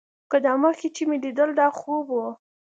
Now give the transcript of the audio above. که دا مخکې چې مې ليدل دا خوب و.